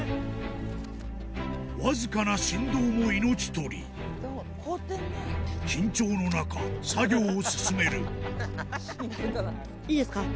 わずかな振動も命取り緊張の中作業を進めるいいですか？